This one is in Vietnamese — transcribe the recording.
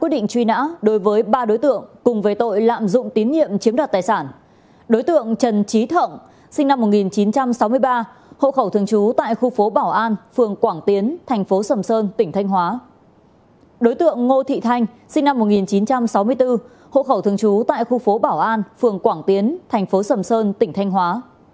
đối tượng ngô thị thanh sinh năm một nghìn chín trăm sáu mươi bốn hộ khẩu thường trú tại khu phố bảo an phường quảng tiến thành phố sầm sơn tỉnh thanh hóa